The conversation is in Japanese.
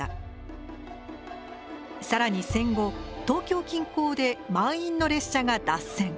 更に戦後東京近郊で満員の列車が脱線。